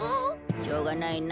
しょうがないな